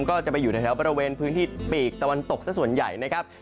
ก็จะไปอยู่ในแถวบริเวณพื้นที่ปีกตะวันตกสักส่วนใหญ่นะครับ